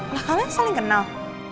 lah kalian saling kenal